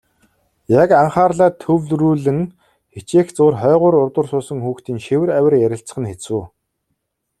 Яг анхаарлаа төвлөрүүлэн хичээх зуур хойгуур урдуур суусан хүүхдийн шивэр авир ярилцах нь хэцүү.